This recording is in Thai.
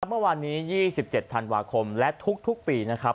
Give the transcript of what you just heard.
เมื่อวานนี้๒๗ธันวาคมและทุกปีนะครับ